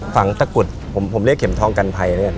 ฝั่งตะกรุดผมเรียกเข็มทองกันภัยเลย